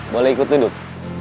boleh ikut duduk